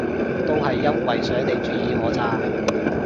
都係因為想你注意我咋